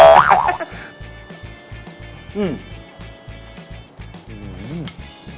กะหุ่น